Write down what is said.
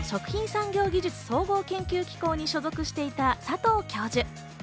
産業技術総合研究機構に所属していた佐藤教授。